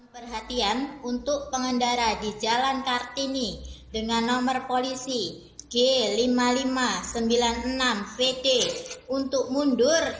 perhatian untuk pengendara di jalan kartini dengan nomor polisi g lima ribu lima ratus sembilan puluh enam vt untuk mundur